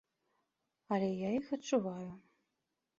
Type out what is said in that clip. Але я іх адчуваю.